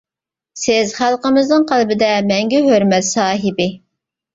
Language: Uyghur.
سىز خەلقىمىزنىڭ قەلبىدە مەڭگۈ ھۆرمەت ساھىبى.